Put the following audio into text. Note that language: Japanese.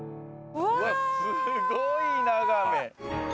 うわっすごい眺め。